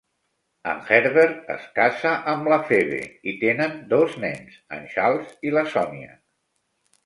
En Herbert es casa amb la Phoebe i tenen dos nens, en Charles i la Sonia.